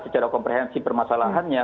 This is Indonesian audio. secara komprehensi permasalahannya